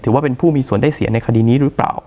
ว่าเป็นผู้มีส่วนได้เสียในคดีนี้หรือเปล่า